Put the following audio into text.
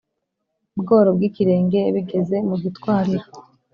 bworo bw’ikirenge bigeze mu gitwariro,